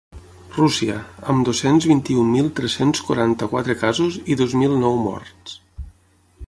Rússia, amb dos-cents vint-i-un mil tres-cents quaranta-quatre casos i dos mil nou morts.